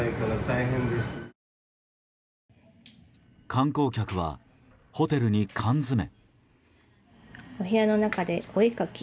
観光客はホテルに缶詰め。